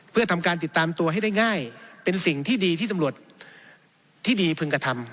เพื่อทำการติดตามตัวให้ได้ง่ายเป็นสิ่งที่ดีที่ตำรวจที่ดีพึงกระทำ